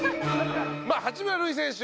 八村塁選手